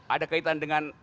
ada kaitan dengan